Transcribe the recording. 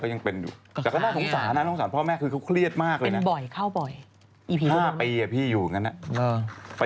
กลัวว่าผมจะต้องไปพูดให้ปากคำกับตำรวจยังไง